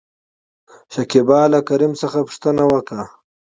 شکيبا له کريم څخه پوښتنه وکړه ؟